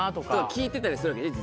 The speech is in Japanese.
聞いてたりするわけでしょ